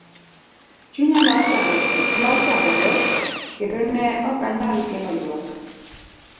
Chunya nochandore kendo ne okanyal geng'o ywak.